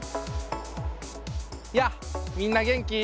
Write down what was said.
やあみんな元気？